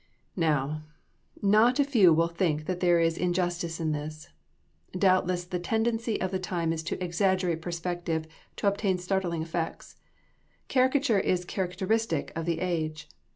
Now, not a few will think that there is injustice in this. Doubtless the tendency of the time is to exaggerate perspective to obtain startling effects. Caricature is characteristic of the age.